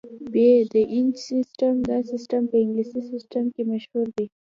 ب - د انچ سیسټم: دا سیسټم په انګلیسي سیسټم هم مشهور دی.